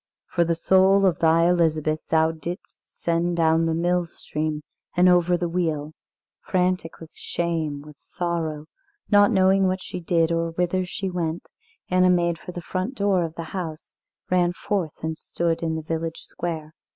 For the soul of thy Elizabeth thou didst send down the mill stream and over the wheel." Frantic with shame, with sorrow, not knowing what she did, or whither she went, Anna made for the front door of the house, ran forth and stood in the village square.